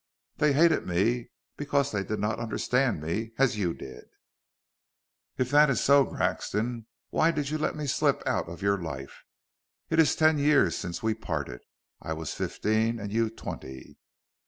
"They hated me, because they did not understand me, as you did." "If that is so, Grexon, why did you let me slip out of your life? It is ten years since we parted. I was fifteen and you twenty."